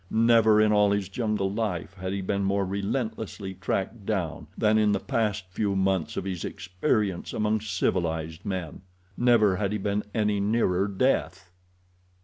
Never in all his jungle life had he been more relentlessly tracked down than in the past few months of his experience among civilized men. Never had he been any nearer death.